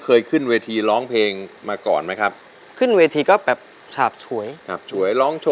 เสื่อมสอง